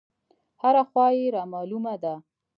هره خوا يې رامالومه ده.